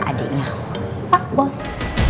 soal adiknya pak bos